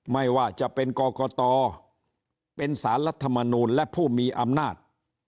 ไม่ว่าจะเป็นกรกตเป็นสารรัฐมนูลและผู้มีอำนาจ